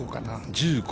１５？